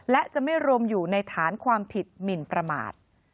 และจะไม่รวมอยู่ในฐานความผิดหมินประมาท